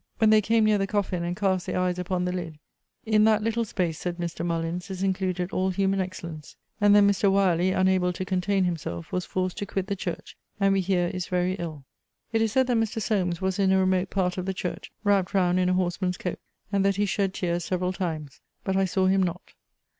When they came near the coffin, and cast their eyes upon the lid, 'In that little space,' said Mr. Mullins, 'is included all human excellence!' And then Mr. Wyerley, unable to contain himself, was forced to quit the church, and we hear is very ill. It is said that Mr. Solmes was in a remote part of the church, wrapped round in a horseman's coat; and that he shed tears several times. But I saw him not.